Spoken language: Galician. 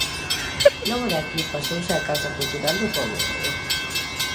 Logo de aquí pasouse á Casa Cultural do pobo.